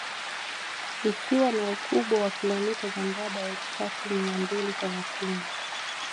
Ikiwa na ukubwa la kilomita za mraba elfu tatu mia mbili thelathini